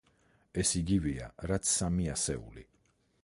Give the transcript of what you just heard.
ეს იგივეა, რაც სამი ასეული.